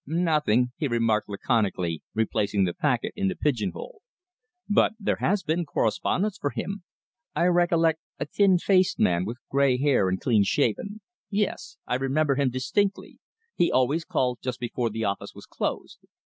"Nothing," he remarked laconically, replacing the packet in the pigeon hole. "But there has been correspondence for him. I recollect a thin faced man, with grey hair and clean shaven. Yes. I remember him distinctly. He always called just before the office was closed."